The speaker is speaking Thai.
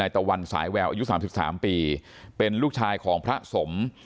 นายตะวัลสายแววอายุสามสิบสามปีเป็นลูกชายของพระสม